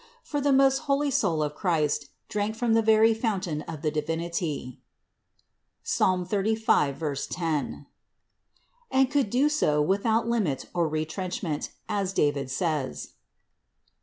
For the most holy soul of Christ drank from the very fountain of the Divinity (Ps. 35, 10) and could do so without limit or retrenchment, as David says (Ps.